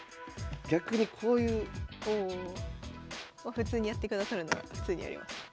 普通にやってくださるなら普通にやります。